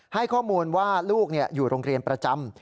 ให้ข้อมูลว่าลูกอยู่โรงเรียนประจำ